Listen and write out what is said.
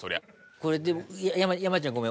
これでも山ちゃんごめん。